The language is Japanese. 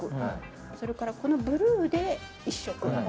それからこのブルーで１色。